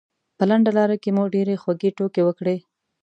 په لنډه لاره کې مو ډېرې خوږې ټوکې وکړې.